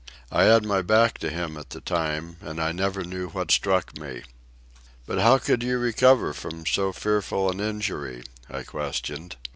I had my back to him at the time, and I never knew what struck me." "But how could you recover from so fearful an injury?" I questioned.